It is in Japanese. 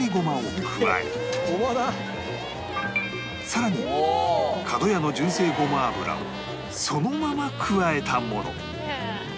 さらにかどやの純正ごま油をそのまま加えたもの